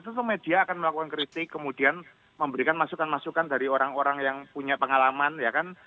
tentu media akan melakukan kritik kemudian memberikan masukan masukan dari orang orang yang punya pengalaman ya kan